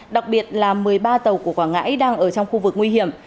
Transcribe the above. đặc biệt là một mươi ba tàu của quảng ngãi đang ở trong khu vực nguy hiểm